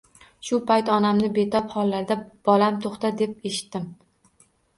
Shu payt onamni betob hollarida bolam toʻxta dedi, eshitdim